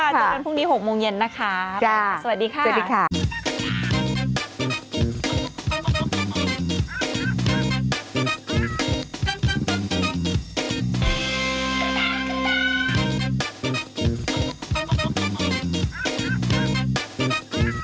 จนวันพรุ่งนี้๖โมงเย็นนะคะสวัสดีค่ะสวัสดีค่ะ